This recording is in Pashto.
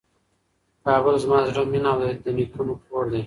کابل زما د زړه مېنه او د نیکونو کور دی.